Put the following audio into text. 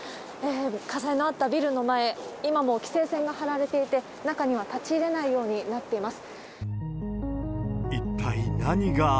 火災のあったビルの前、今も規制線が張られていて、中には立ち入れないようになっています。